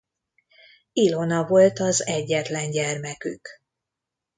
Ilona volt az egyetlen gyermekük.